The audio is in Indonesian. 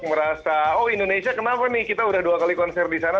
merasa oh indonesia kenapa nih kita udah dua kali konser di sana